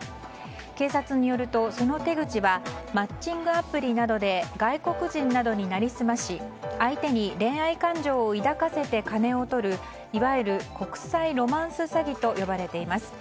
警察によると、その手口はマッチングアプリなどで外国人などに成り済まし相手に恋愛感情を抱かせて金をとるいわゆる国際ロマンス詐欺と呼ばれています。